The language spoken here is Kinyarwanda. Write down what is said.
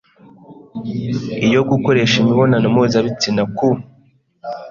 Iyo gukoresha imibonano mpuzabitsina ku